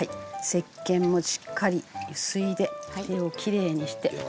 せっけんもしっかりゆすいで手をキレイにして。